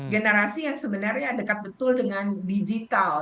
generasi yang sebenarnya dekat betul dengan digital